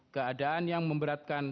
keadaan yang memberatkan